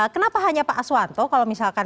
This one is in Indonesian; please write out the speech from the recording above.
kenapa hanya pak aswanto kalau misalkan